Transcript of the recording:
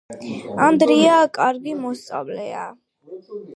ანდრია კარგი მოსწავლეა